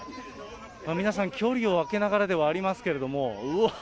皆さん距離を空けながらではありますが、うわー！